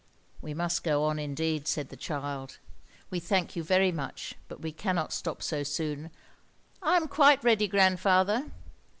"We must go on, indeed," said the child. "We thank you very much, but we cannot stop so soon.—I'm quite ready, grandfather."